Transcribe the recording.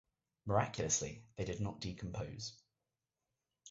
Miraculously, they did not decompose.